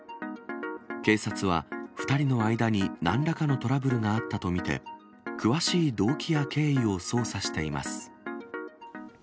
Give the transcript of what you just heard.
警察は、２人の間になんらかのトラブルがあったと見て、詳しい動機や経緯を捜査しています。